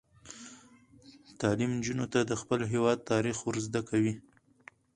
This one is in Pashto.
تعلیم نجونو ته د خپل هیواد تاریخ ور زده کوي.